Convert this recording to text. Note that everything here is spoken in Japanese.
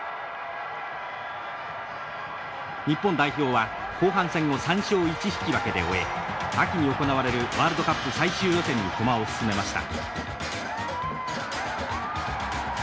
日本代表は後半戦を３勝１引き分けで終え秋に行われるワールドカップ最終予選に駒を進めました。